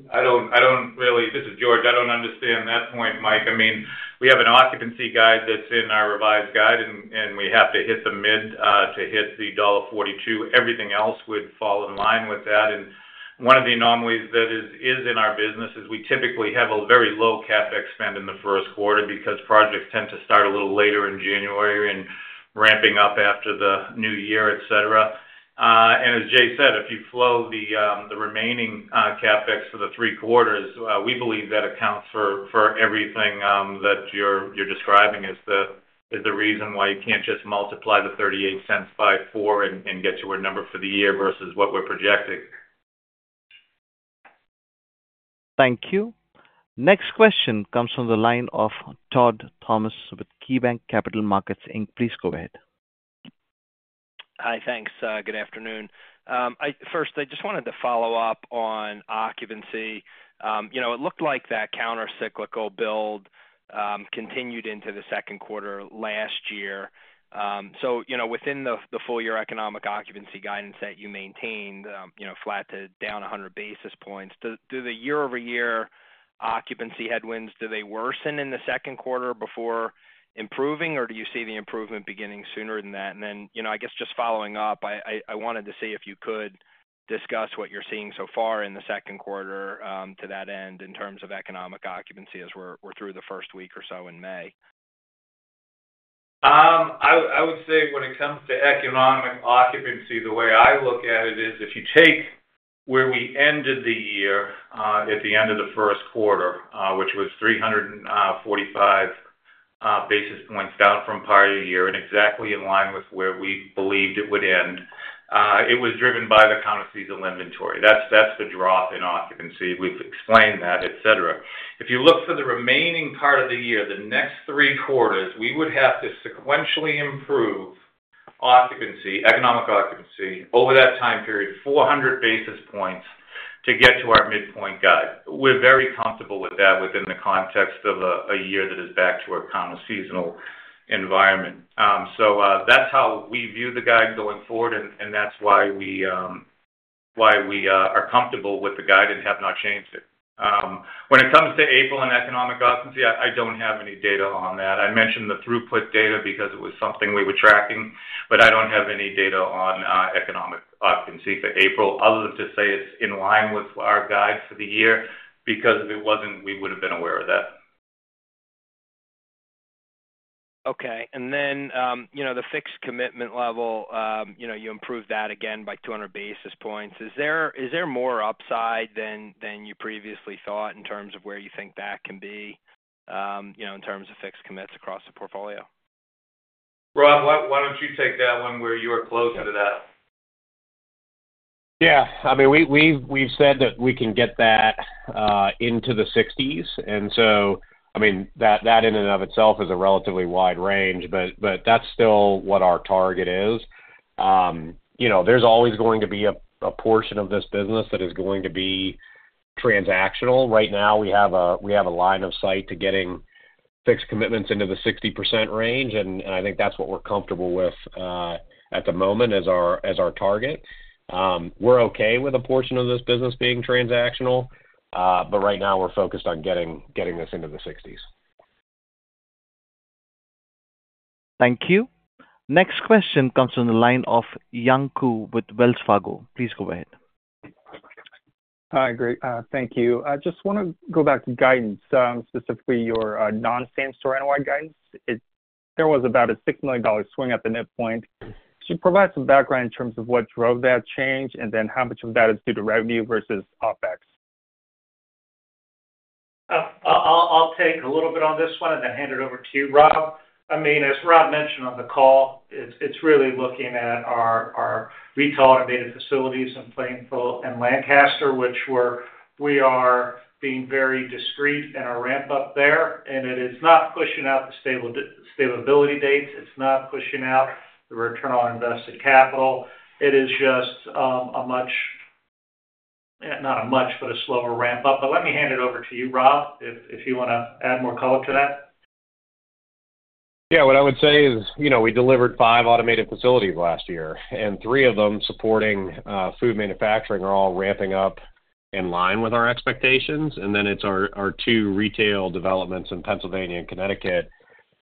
Speaker 3: is George. I don't understand that point, Mike. I mean, we have an occupancy guide that's in our revised guide, and we have to hit the mid to hit the $42. Everything else would fall in line with that. One of the anomalies that is in our business is we typically have a very low CapEx spend in the first quarter because projects tend to start a little later in January and ramping up after the new year, etc. As Jay said, if you flow the remaining CapEx for the three quarters, we believe that accounts for everything that you're describing as the reason why you can't just multiply the $0.38 by 4 and get to a number for the year versus what we're projecting.
Speaker 1: Thank you. Next question comes from the line of Todd Thomas with KeyBanc Capital Markets, Inc. Please go ahead.
Speaker 15: Hi. Thanks. Good afternoon. First, I just wanted to follow up on occupancy. It looked like that countercyclical build continued into the second quarter last year. So within the full-year economic occupancy guidance that you maintained, flat to down 100 basis points, do the year-over-year occupancy headwinds, do they worsen in the second quarter before improving, or do you see the improvement beginning sooner than that? And then I guess just following up, I wanted to see if you could discuss what you're seeing so far in the second quarter to that end in terms of economic occupancy as we're through the first week or so in May?
Speaker 3: I would say when it comes to economic occupancy, the way I look at it is if you take where we ended the year at the end of the first quarter, which was 345 basis points down from prior year and exactly in line with where we believed it would end, it was driven by the count of seasonal inventory. That's the drop in occupancy. We've explained that, etc. If you look for the remaining part of the year, the next three quarters, we would have to sequentially improve economic occupancy over that time period 400 basis points to get to our midpoint guide. We're very comfortable with that within the context of a year that is back to our count of seasonal environment. So that's how we view the guide going forward. And that's why we are comfortable with the guide and have not changed it. When it comes to April and economic occupancy, I don't have any data on that. I mentioned the throughput data because it was something we were tracking. But I don't have any data on economic occupancy for April other than to say it's in line with our guide for the year because if it wasn't, we would have been aware of that.
Speaker 15: Okay. And then the fixed commitment level, you improved that again by 200 basis points. Is there more upside than you previously thought in terms of where you think that can be in terms of fixed commits across the portfolio?
Speaker 3: Rob, why don't you take that one where you are closer to that?
Speaker 4: Yeah. I mean, we've said that we can get that into the 60s. So I mean, that in and of itself is a relatively wide range. But that's still what our target is. There's always going to be a portion of this business that is going to be transactional. Right now, we have a line of sight to getting fixed commitments into the 60% range. I think that's what we're comfortable with at the moment as our target. We're okay with a portion of this business being transactional. But right now, we're focused on getting this into the 60s.
Speaker 1: Thank you. Next question comes from the line of Yanku with Wells Fargo. Please go ahead.
Speaker 7: Great. Thank you. I just want to go back to guidance, specifically your non-same-store NOI guidance. There was about a $6 million swing at the midpoint. Could you provide some background in terms of what drove that change and then how much of that is due to revenue versus OpEx?
Speaker 5: I'll take a little bit on this one and then hand it over to you, Rob. I mean, as Rob mentioned on the call, it's really looking at our retail automated facilities in Plainville and Lancaster, which we are being very discreet in our ramp-up there. It is not pushing out the stability dates. It's not pushing out the return on invested capital. It is just a much not a much, but a slower ramp-up. Let me hand it over to you, Rob, if you want to add more color to that.
Speaker 4: Yeah. What I would say is we delivered 5 automated facilities last year. Three of them supporting food manufacturing are all ramping up in line with our expectations. Then it's our 2 retail developments in Pennsylvania and Connecticut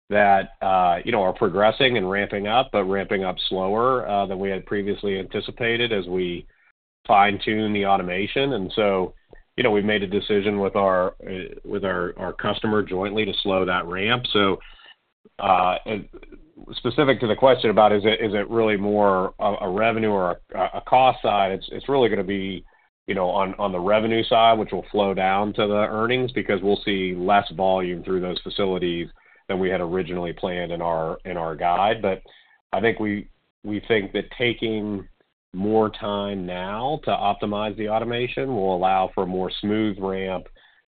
Speaker 4: that are progressing and ramping up, but ramping up slower than we had previously anticipated as we fine-tune the automation. So we made a decision with our customer jointly to slow that ramp. Specific to the question about is it really more a revenue or a cost side, it's really going to be on the revenue side, which will flow down to the earnings because we'll see less volume through those facilities than we had originally planned in our guide. But I think we think that taking more time now to optimize the automation will allow for a more smooth ramp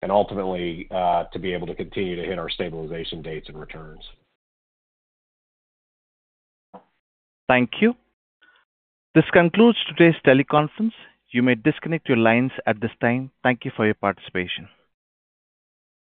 Speaker 4: and ultimately to be able to continue to hit our stabilization dates and returns.
Speaker 1: Thank you. This concludes today's teleconference. You may disconnect your lines at this time. Thank you for your participation.